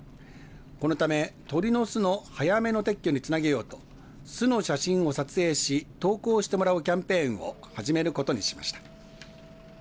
このため、鳥の巣の早めの撤去につなげようと巣の写真を撮影し投稿してもらうキャンペーンを始めることにしました。